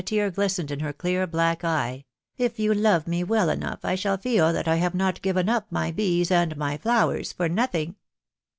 tear glistened in her clear black eye> r " if you love me well enough, I shall feel that I have not given up my bees and my flowers for nothing."